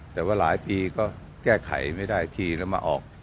แต่ว่าหลายปีก็แก้ไขไม่ได้ทีแล้วมาออก